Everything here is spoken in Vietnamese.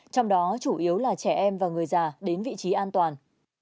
trong đó chủ yếu là trẻ em và người già đến vị trí an toàn